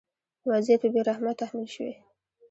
وضعیت په بې رحمۍ تحمیل شوی.